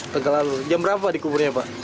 tegal alur jam berapa di kuburnya pak